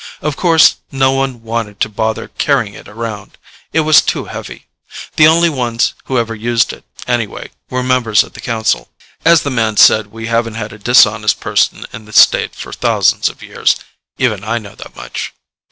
Of course, no one wanted to bother carrying it around. It was too heavy. The only ones who ever used it, anyway, were members of the council. As the man said, we haven't had a dishonest person in the State for thousands of years. Even I know that much.